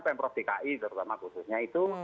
pemprov dki terutama khususnya itu